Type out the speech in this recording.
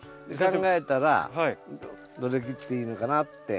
考えたらどれ切っていいのかなって。